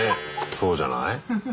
そうじゃない？